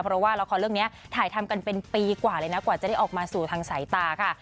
เพราะว่าละครเรื่องนี้ถ่ายทำกันเป็นปีกว่าเลยนะกว่าจะได้ออกมาสู่ทางสายตาค่ะ